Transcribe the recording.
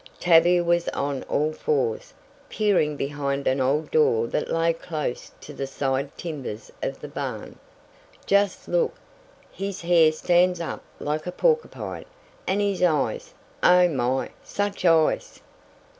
Tavia was on all fours, peering behind an old door that lay close to the side timbers of the barn. "Just look! His hair stands up like a porcupine, and his eyes! Oh, my! such eyes!"